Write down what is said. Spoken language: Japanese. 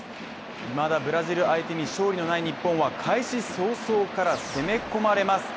まだブラジル相手に勝利のない日本は開始早々から攻め込まれます